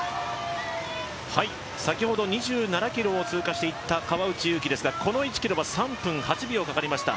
先ほど２７ｋｍを通過していった川内優輝ですがこの１ｋｍは３分８秒かかりました。